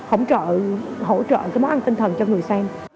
hỗ trợ cái món ăn tinh thần cho người xem